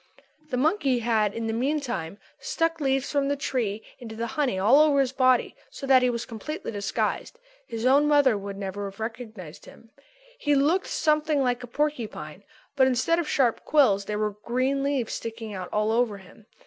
The monkey had, in the meantime, stuck leaves from the trees into the honey all over his body so that he was completely disguised. His own mother would never have recognised him. He looked something like a porcupine; but instead of sharp quills there were green leaves sticking out all over him.